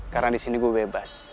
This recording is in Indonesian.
karena di sini gue bebas